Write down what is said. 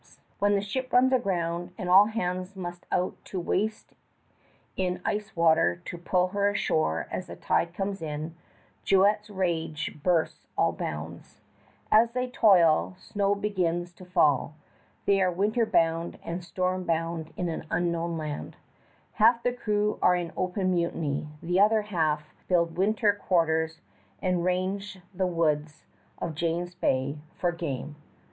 [Illustration: AT EASTERN ENTRANCE TO HUDSON STRAITS] When the ship runs aground and all hands must out to waist in ice water to pull her ashore as the tide comes in, Juett's rage bursts all bounds. As they toil, snow begins to fall. They are winter bound and storm bound in an unknown land. Half the crew are in open mutiny; the other half build winter quarters and range the woods of James Bay for game.